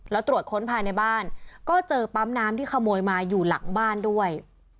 แล้วตรวจค้นภายในบ้านก็เจอปั๊มน้ำที่ขโมยมาอยู่หลังบ้านด้วย